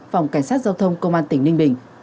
phòng cảnh sát giao thông công an tỉnh ninh bình